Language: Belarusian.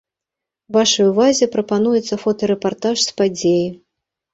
Вашай увазе прапануецца фотарэпартаж з падзеі.